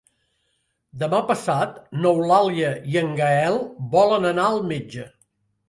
Demà passat n'Eulàlia i en Gaël volen anar al metge.